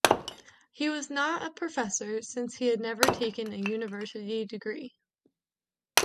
He was not a professor, since he had never taken a university degree.